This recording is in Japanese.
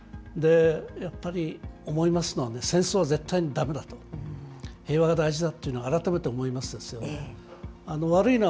やっぱり思いますのはね、戦争は絶対にだめだと、平和が大事だと改めて思いますですよ、それは。